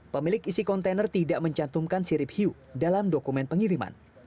pemilik isi kontainer tidak mencantumkan sirip hiu dalam dokumen pengiriman